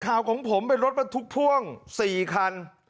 ข่าวของผมเป็นรถกับทุกพ่วง๔คัน